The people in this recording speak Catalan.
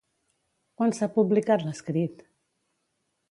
Quan s'ha publicat l'escrit?